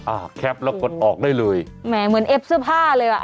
แคปแล้วกดออกได้เลยแหมเหมือนเอฟเสื้อผ้าเลยอ่ะ